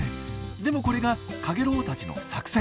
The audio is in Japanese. でもこれがカゲロウたちの作戦。